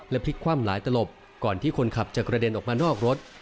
พลิกคว่ำหลายตลบก่อนที่คนขับจะกระเด็นออกมานอกรถ